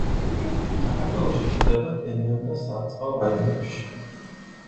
საქართველოში გვხვდება ტენიან და სარწყავ რაიონებში.